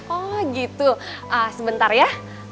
oh gitu sebentar ya